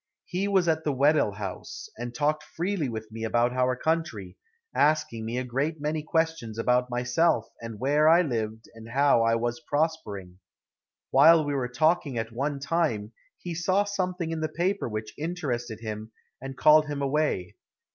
He was at the Weddell House, and talked freely with me about our country, asking me a great many questions about myself and where I lived and how I was prospering. While we were talking at one time he saw something in the paper which interested him and called him away.